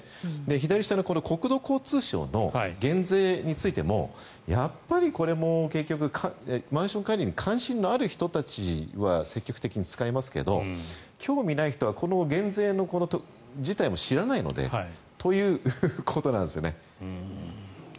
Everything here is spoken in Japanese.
左下の国土交通省の減税についてもやっぱり、これも結局マンション管理に関心のある人たちは積極的に使いますけど興味がない人は減税自体も知らないということなんですよね。